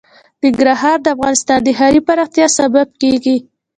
ننګرهار د افغانستان د ښاري پراختیا سبب کېږي.